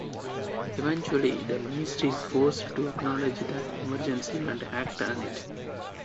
Eventually, the Ministry is forced to acknowledge the emergency and act on it.